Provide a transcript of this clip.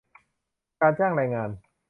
การจ้างแรงงาน